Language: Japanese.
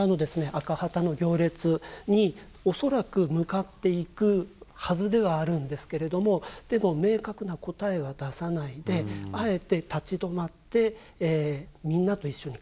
赤旗の行列に恐らく向かっていくはずではあるんですけれどもでも明確な答えは出さないであえて立ち止まってみんなと一緒に考えようとしている。